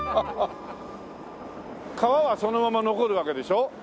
川はそのまま残るわけでしょ？